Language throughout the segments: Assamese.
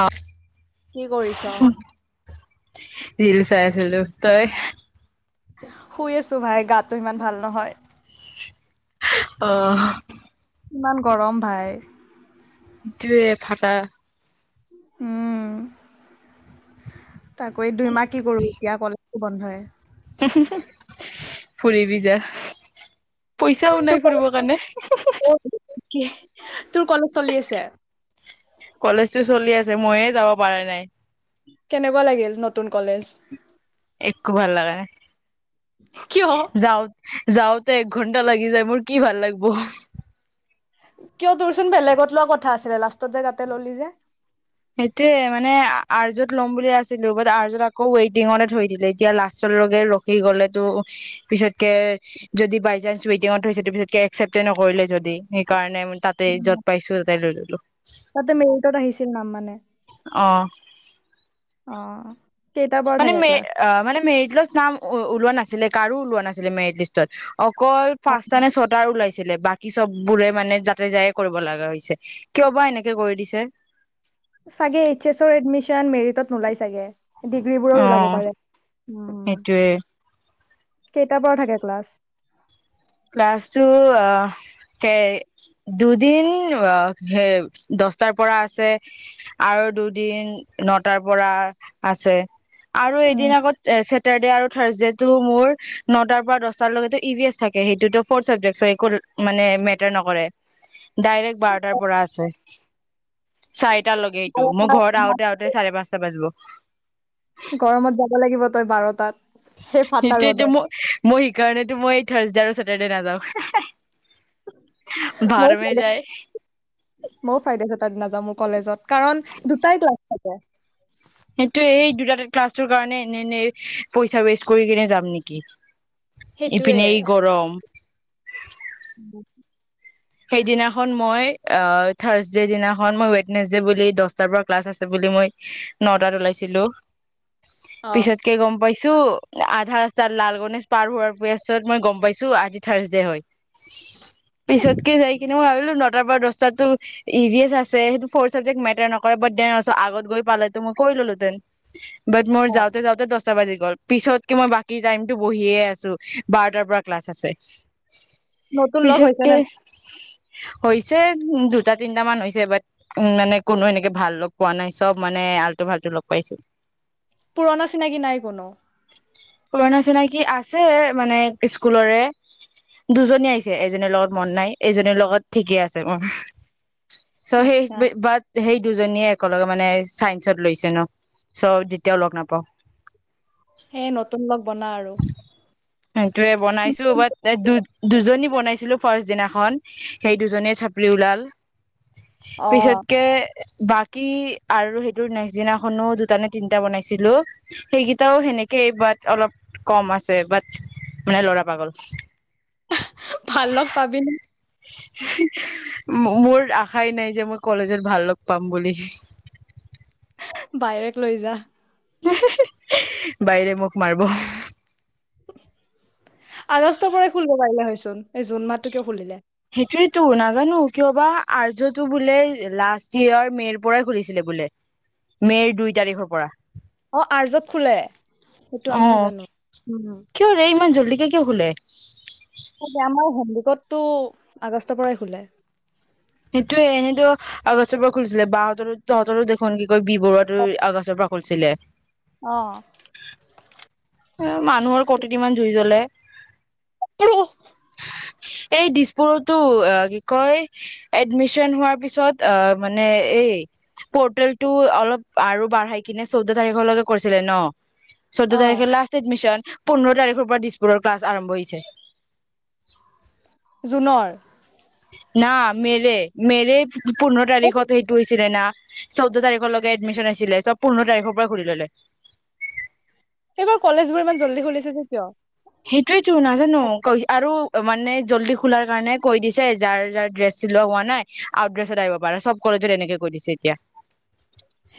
আ কি কৰিছ? হোউহুহ ৰীল চাই আছিলো। তই শুই আছো ভাই গাটো ইমান ভাল নহয়। অহ। কিমান গৰম ভাই। ইটোৱে ফাটা উমম। তাকো এই দুই মাহ কি কৰো এতিয়া কল বন্ধই। হো হো হো ফুৰিবি যা। পইচাও নাই ফুৰিবৰ কাৰণে হো হো হো। কিহি তোৰ কলেজ চলি আছে। কলেজতো চলি আছে মইয়ে যাব পাৰা নাই। কেনেকুৱা লাগিল নতুন কলেজ। একো ভাল লাগা নাই কিয় যাও। যাওঁতে এক ঘন্টা লাগি যায় মোৰ কি ভাল লাগব। কিয় তোৰচোন বেলেগত লোৱা কথা আছিলে লাষ্টত যাই তাতে ললি যে। সেইটোয়ে মানে আৰ্জত ল'ম বুলি আছিলো বাট আৰ্যত আকৌ ৱেইটিঙতে থৈ দিলে এতিয়া লাষ্টৰে ৰখি গলে আৰ্যত লম বুলি আছিলোঁ বাত আৰ্যত আকু ৱেইটিং তে থৈ দিলে এতিয়া লাষ্টৰ লকে ৰখি গলেটো পিছতকে যদি বাইচান্স ৱেটিঙত থৈছে তাৰ পিছতকে এক্কচেপ্ত এ নকৰিলে যদি সেইকাৰণে তাতে উম, যত পাইছো তাতে লৈ ললো তাতে মেৰিটত আহিছিল নাম মানে। অ। অঁ। মানে মে অ মানে মেৰিটত নাম ওলোৱা নাছিলে। কাৰো ওলোৱা নাছিলে মেৰিট লিষ্টত। অকল পাঁচটা নে ছটা ওলাইছে ছিলে বাকী চব বোৰে মানে যাতে যায়ে কৰিব লগা হৈছে কিয় বা এনেকে কৰি দিছে চাগে এইচ এছ ৰ এডমিশন মেৰিটত নোলায় চাগে। ডিগ্ৰীবোৰৰ ওলাব অ' পাৰে। সেইটোয়ে কেইটাৰ পৰা থাকে ক্লাছ। ক্লাছ টু অহ। সেই দুদিন ওৱ সেই দছটাৰ পৰা আছে আৰু দুদিন নটাৰ পৰা আছে। আৰু এদিন আগত এ ছেটাৰৰ্ডে আৰু থাৰ্ছডেত টো মোৰ নটাৰ পৰা দছটাৰ লৈকেতো ই ভি এছ থাকে সেই সেইটোতো ফৰ্থ চাবজেক্ট একো মানে মেটাৰ নকৰে ডাইৰেক্ট বাৰটাৰ উম পৰা আছে চাইড টা লাগে সেইটো মোৰ ঘৰত আহোতে গৰমত আহোতে চাৰে পাঁচটা বাজিব গৰমত যাব লাগিব তই বাৰটাত সেই ফাটা সেইটোয়েটো ৰ'দত মই মই সেইকাৰণেতো মই থাৰ দাৰ ওচৰত মই এতিয়া নাযাও হে হে মই ফাই যায় [inaudible] মই ফাইডে তাত নাযাও মোৰ কলেজত কাৰণ দুটাই [unintelligible] হব [inaudible] সেইটো এই দুটা ক্লাছটোৰ কাৰণে এনে এনে পইচা ৱেষ্ট কৰি কেনে যাম নেকি সেইটোৱে ইপনে এই গৰম ব [inaudible] সেইদিনাখন মই ৰ্থাৰছ ডে দিনাখন মই উৱেটনেছ বুলি দছটাৰ পৰা ক্লাছ আছে বুলি মই নটাত ওলাইছিলো অ পিছতকে গম পাইছো চঅ আধা ৰাস্তাত লাল গনেশ পাৰ হোৱাৰ পাছত মই গম পাইছো আজি থাৰ্চডে হয় [unintelligible] পিছত সেইখিনি ভাবিলো ন টাৰ পৰা দছটাটো ই ভ এছ আছে সেইটো ফৰ চাবজেক্ট মেটাৰ নকৰে বাট দে আগত গৈ পালেটো মই কৰি ললোঁহেতেন বাট মোৰ অ যাওঁতে যাওঁতে দছ টা বাজি গ'ল পিছতকে মই বাকী টাইমতটো বহিয়ে আছো বাৰটাৰ পৰা ক্লাছ আছে নতুন লগ হৈছে পিছতকে নে হৈছে দুটা তিনটা মান হৈছে বাট উম মানে কোনো এনেকে ভাল লগ পোৱা নাই চব মানে আলটু ফাল্টু লগ পাইছো পুৰণা চিনাকি নাই কোনো পুৰণা চিনাকি আছে মানে স্কুলৰে দুজনী আহিছে এজনীৰ লগত মন নাই এইজনীৰ লগত ঠিকে আছে উম চ আচ্ছা হেই বাত হেই দুজনীয়ে একেলগে মানে চাইন্সত লৈছে ন চ যেতিয়াও লগ নাপাওঁ সেই নতুন লগ বনা আৰু সেইটোয়ে বনাইছিলো বাট এক দু দুজনী বনাইছিলো ফাৰ্ষ্ট দিনাখন সেই দুজনীয়ে চাপৰি ওলাল অ পিছতকে বাকী আৰু সেইটো নেক্স দিনাখনো দুটা নে তিনটা বনাইছিলো সেইকেইটাও সেনেকেই বাট অলপ কম আছে বাট মানে লৰা পাগল ভাল লগ পাবি ন মোৰ আশাই নাই যে মই কলেজত ভাল লগ পাম বুলি। বাইৰেক লৈ যা। বাইৰে মোক মাৰিব। আগষ্টৰ পৰাই খুলিব পাৰিলে হয়চোন এই জুন মাহটোকে খুলিলে। সেইটো নাজানো কিয়বা আৰ্যতটো বোলে লাষ্ট ইয়েৰ মে'ৰ পৰাই খুলিছিলে বোলে মে'ৰ দুই তাৰিখৰ পৰা। অ আৰ্যত খোলে সেইটো আমিও অ' জানো দেৰিকে খোলে টো আগষ্টৰ পৰাই খোলে সেইটোয়ে এনেতো আগষ্টৰ পৰা খুলিছিলে বাহঁতৰো তহঁতৰো দেখোন একো বি বৰুৱটো আগষ্টৰ পৰা খোলিছিলে অহ এ মানুহৰ কতিত ইমান জুই জ্বলে। ট্ৰু। এই দিছপুৰতো অ কি কয় এডমিচন হোৱাৰ পিছত অ মানে এই পৰ্টেল টো অলপ আৰু বাঢ়াই কিনে চৈধ্য তাৰিখলৈকে কৰিছিলে ন চৌধ অ তাৰিখে লাষ্ট এডমিশন। পোন্ধৰ তাৰিখৰ পৰা দিছপুৰৰ ক্লাছ আৰম্ভ হৈছে। জুনৰ। না মেৰে মেৰে পোন্ধৰ অ, তাৰিখত সেইটো হৈছিলে না চৌধ্ তাৰিখলৈকে এডমিশন আছিলে চব পোন্ধৰ তাৰিখৰ পৰা খুলি ললে। এইবাৰ কলেজ বোৰ ইমান জল্দি খুলিছে যে কিয়? সেইটোয়েতো নাজানো আৰু মানে জল্দি খোলাৰ কাৰণে কৈ দিছে যাৰ যাৰ ড্ৰেছ চিলোৱা হোৱা নাই আউট ড্ৰেছত আহিব পাৰ চব কলেজত এনেকে কৈ দিছে এতিয়া।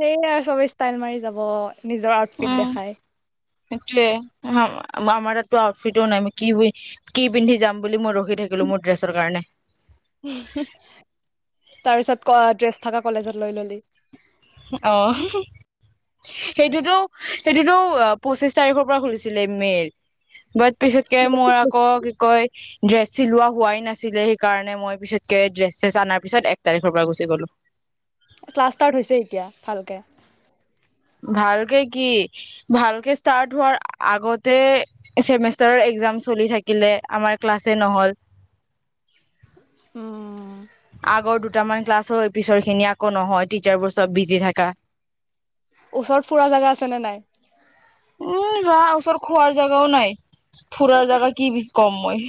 সেইয়ে আৰু চবে ষ্টাইল মাৰি যাব। নিজৰ আউটফিট উম দেখাই হেতুৱে আমাৰ তাতো আউটফিটও নাই কি কি পিন্ধি যাম বুলি মই ৰখি থাকিলো মোৰ ড্ৰেছৰ কাৰণে তাৰ পিছত ড্ৰেছ থকা কলেজত লৈ ললি। অ সেইটোতো সেইটোতো পঁচিশ তাৰিখৰ পৰা খুলিছিলে মেৰ বাট পিছতকে মোৰ আকৌ কি কয় ড্ৰেছ চিলোৱা হোৱাই নাছিলে সেইকাৰণে মই পিছতকে ড্ৰেছ চেছ অনাৰ পিছত এক তাৰিখৰ পৰা গুচি গলো। ক্লাছ ষ্টাৰ্ট হৈছে এতিয়া ভালকে ভালকে কি ভালকে ষ্টাৰ্ট হোৱাৰ আগতে চছেমষ্টাৰৰ এক্জাম চলি থাকিলে আমাৰ ক্লাছে নহল ওম আগৰ দুটামান ক্লাছ হৈ পিছৰ খিনি আকৌ নহয় টিচাৰবোৰ চব বিজি থাকা। ওচৰত ফুৰা জোগা আছে নে নাই? উম বা খোৱাৰ জাগাও নাই ফুৰাৰ জাগা কি বছ কম মই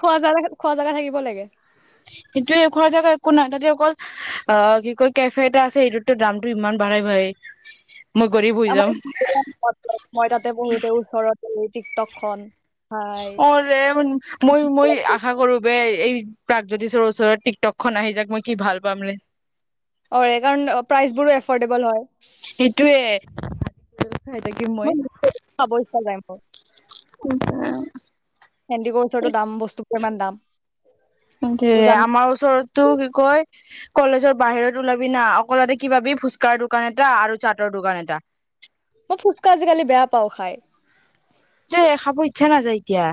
খোৱা জা খোৱা জাগা থাকিব লাগে। সেইটো খোৱা জেগা একো নাই তাতে অকল অ কি কয় কেফে এটা আছে এইটোতো দামটো ইমান বাঢ়াই বাঢ়েই আমাৰ মই তাতে পঢ়োতে ওচৰত টিকটক খন হাই অ মই মই আশা কৰো বে এই প্ৰাগজ্যোতিষৰ ওচৰত টিকটকখনন আহি যাক মই কি ভাল পাম ৰে অ এইকাৰণ প্ৰাইচবোৰো এফৰ্ডেবল হয় সেইটোয়ে খাই থাকিম মই নি খাব ইচ্ছা যায় মোৰ হেডিক ওচৰতো দাম বস্তু কিমান দাম ক উজান আমাৰ ওচৰত তোৰ কি কয় কলেজৰ বাহিৰত ওলাবি না অকল দেখিপাবি ফুচকাৰ দোকান এটা আৰু চাটৰ দোকান এটা মই ফুচকা আজিকালি বেয়া পাওঁ খাই যে খাব ইচ্ছা নাযায় কিয়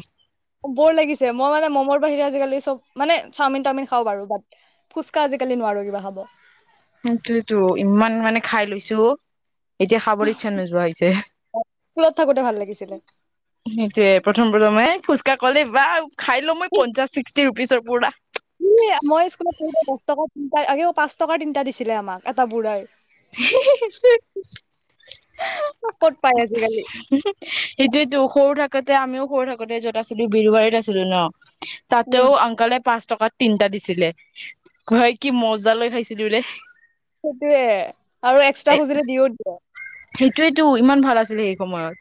বৰ লাগিছে মই মানে মমৰ বাহিৰে আজিকালি চব মানে চাওমিন তাওমিন খাব পাৰো‌ ‌বাট ফুচকা আজিকালি নোৱাৰো কিবা খাব সেইটোৱেটো ইমান মানে খাই লৈছো এতিয়া খাবৰ ইচ্ছা নোযোৱা হৈছে স্কুলত থাকোতে ভাল লাগিছিলে সেইটোৱে প্ৰথম প্ৰথমে ফুচ তই ক'লি বা খাই লও মই পঞ্চাশ ছিক্সটি ৰুপিচৰ পুৰা তিনিটায়ে পাঁচ টকাৰ তিনিটা দিছিলে আমাক এটা বুঢ়াই [unintelligible] ক'ত পায় আজিকালি সেইটোয়েতো সৰু থাকোতে আমিও সৰু থাকোতে যত আছিলো বিৰুবাৰীত আছিলো ন উম তাতেও আংকলে পাছ টকাত তিনটা দিছিলে ঘুৰাই কি মজা লৈ খাইছিলি বোলে সেইটোয়ে আৰু এক্সট্ৰা খুজিলে দিও দিয়ে সেইটোৱেটো ইমান ভাল আছিলে সেই সময়ত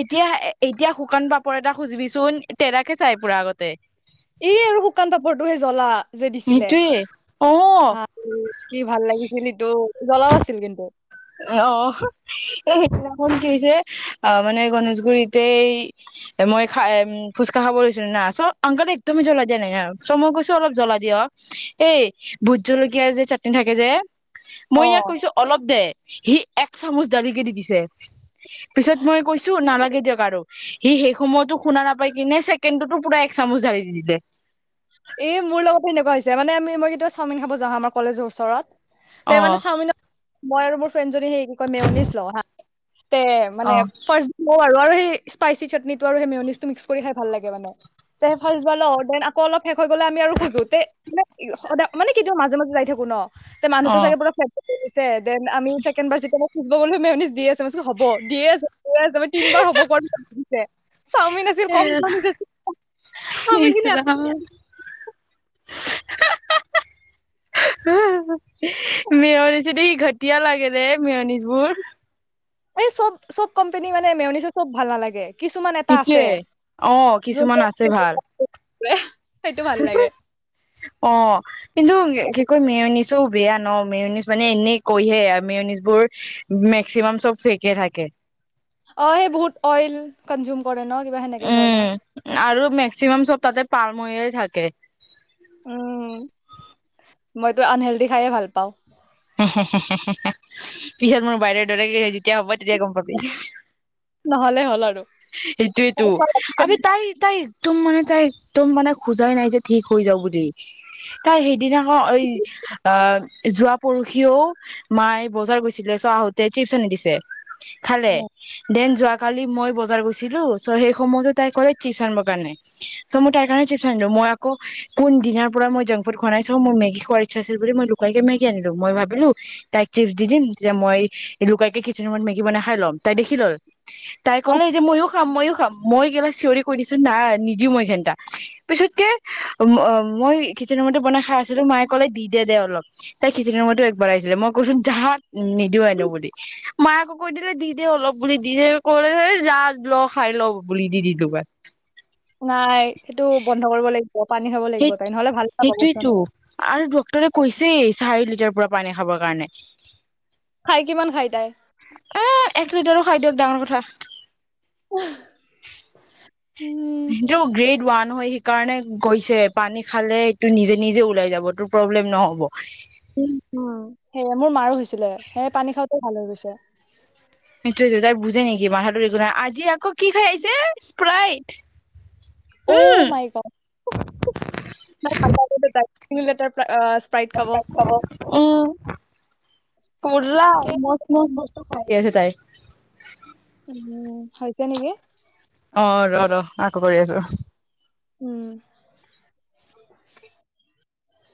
এতিয়া এতিয়া শুকান পাপৰ এটা খুজিবিচোন তেৰাকে চাই পুৰা আগতে এই আৰু শুকান পাপৰটোহে জ্বলা যে দিছিলে সেইটোয়ে অ ভাল কি ভাল লাগিছিল ইটো জ্বলাও আছিল কিন্তু অ এই সেইদিনাখন যে কি হৈছে আহ মানে গনেশগুৰিতে মই খাই ফুচকা খাব লৈছিলো না চ আংকলে একদম জ্বলা দিয়া নাই ন চ মই কৈছো অলপ জ্বলা দিয়ক এই ভোট জলকীয়া যে চাটনি থাকে যে মই অ ইয়াক কৈছো অলপ দে সি এক চামুচ ঢাৰি দি দিছে পিছত মই কৈছো নালাগে দিয়ক আৰু সি সেই সময়তো শুনা নাপাই কিনে ছেকেণ্ডতো পুৰা এক চামুচ ঢাৰি দি দিলে এই মোৰ লগত এনেকুৱা হৈছে মানে আমি মই কেতিয়াবা চাওমিন খাব যাওঁ আমাৰ কলেজৰ ওচৰত তই অ মানে চাওমিনৰ মই আৰু মোৰ ফ্ৰেডজনী মোক কয় মেউনিছ ল হা তে মানে ফাৰ্ষ্ট ল আৰু আৰু সেই স্পাইচি চাটনিটো আৰু সেই মেনিজটো মিক্স কৰি খাই ভাল লাগে মানে ত ফাৰবাল অ অলপ শেষ হৈ গ'লে আমি আৰু খোজোতে মান-সদ-মানে কিতিয়া মাজে, মাজে যায় থাকো ন? তে, অ মানুহটো চাগে পুৰা [unintelligible] [unintelligible] দেন আমি ছেকেণ্ড বাৰ [unintelligible] [unintelligible] ইচ ৰাম [unintelligible] [unintelligible] তিয়া লাগে ৰে, মেঅণিজবোৰ এই চব, চব কোম্পানী মানে মেওনিজত মোক ভাল নালাগে। কিছুমান এটা আছে সেইটোৱে অ', যোনটো কিছুমান আছে ভাল সেইটো ভাল লাগে অ', কিন্তু কি কয় মিয়নিচ চ বেয়া ন? মেয়নিজ মানে এনেই কৈহে আৰু মেয়নিছ বোৰ মেক্সিমাম চব ফেকে থাকে। অ', সেই বহুত অইল কনজিউম কৰে ন কিবা সেনেকে কয় ন উম, আৰু মেক্সিমাম চপ তাতে পাৰ মৰিয় থাকে উম, মইতো আনহেলডি খায়ে ভাল পাওঁ। পিছত মোৰ বাইদেউৰ দৰে যেতিয়া হ'ব তেতিয়া গম পাবি। নহ'লে হ'ল আৰু অ এইটোইটো আবে তাই, তাই একদম মানে তাই একদম মানে খোজাই নাই যে ঠিক হৈ যাওঁ বুলি তাই সেইদিনা আকৌ এই অহ, যোৱা পৰহিও মায়ে বজাৰ গৈছিলে চ' আহোতে চিপছ আনি দিছে। খালে, দেন যোৱা কালি মই বজাৰ গৈছিলোঁ চ' হেই সময়তে তাই কলে চিপচ আনিব কাৰনে চ' মই তাইৰ কাৰণে চিপচ আনিলোঁ মই আকৌ কোন দিনা পৰা জৈন ফুট খোৱা নাই চ' মোৰ মেগী খোৱাৰ ইটচা আছিল বুলি চ' লুকুৱাই কেনে আনিলো মই ভাবিলো তাইক চিপছ দি দিম তেতিয়া মই লুকোই কিনে কিচেন ৰুমত মেগী বনাই খাই ল'ম তাই দেখি ল'ল তাই ক'লে যে ময়ো খাম, ময়ো খাম। মই একেবাৰে চিঞৰি কৈ দিছো না নিদিও মই ঘেন্টা পিছতকে মই কিচেন ৰুমতে বনাই খাই আছিলো মায়ে ক'লে দি দে দে অলপ। তাই খিচিঙি খাওঁতেও একবাৰ আহিছিলে মই কৈছো জা নিদিওঁ আনো বুলি মায় আকো কৈ দিলে দি দে অলপ বুলি দি দে ক'লে জাহ ল' খাই ল' বুলি দি দিলো দুবাৰ। নাই। সেইটো বন্ধ কৰিব লাগিব পানী খাব লাগিব সেই তাই নহ'লে ভাল নাপাবচোন সেইটোয়েটো আৰু ডক্টৰে কৈছে চাৰি লিটাৰ পৰা পানী খাবৰ কাৰণে। খাই কিমান খাই তাই? এ এক লিটাৰো খাই দিয়ক ডাঙৰ কথা। অহ। টো গ্ৰেড ওৱান নহয় সেইকাৰণে গৈছে পানী খালেটো নিজে নিজে ওলাই যাব তোৰ প্ৰব্লেম নহ'ব। উম, অ', সেয়াই মোৰ মাৰো হৈছে। ছিলে পানী খাওঁ এ ভালে হৈ গৈছে। [unintelligible] তাই বুজে নেকি? বাহাদুৰি পুৰা। আজি আকৌ কি খাই আহিছে, স্প্ৰাইট। উম, অ', মাই গ'ড! উ। [unintelligible] তিনি লিটাৰ প্ৰায় [unintelligible] হ'ব। উম। পুলাও। মই মই [inaudible] ঠিকেই আছে তাই। উম, হৈছে নিকি? অ', ৰ', ৰ'। আকৌ কৰি আছো। উম।